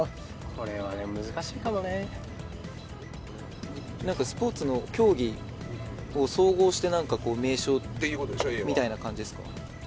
これは難しいかもねスポーツの競技を総合して名称みたいな感じですか？